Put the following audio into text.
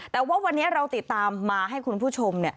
แต่ว่าวันนี้เราติดตามมาให้คุณผู้ชม